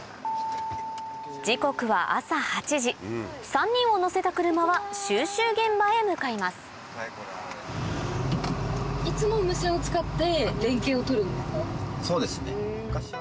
時刻は３人を乗せた車は収集現場へ向かいますそうですね。